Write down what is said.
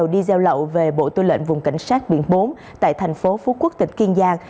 đi giao lậu về bộ tư lệnh vùng cảnh sát biển bốn tại thành phố phú quốc tỉnh kiên giang